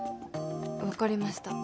分かりました